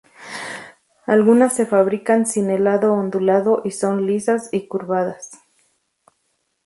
Algunas se fabrican sin el lado ondulado y son lisas y curvadas.